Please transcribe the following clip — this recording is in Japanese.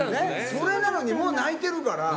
それなのにもう泣いてるから。